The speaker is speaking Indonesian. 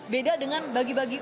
beda dengan bagi bagi